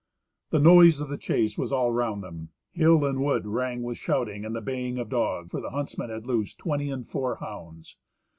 The noise of the chase was all round them; hill and wood rang with shouting and the baying of dog, for the huntsmen had loosed twenty and four hounds.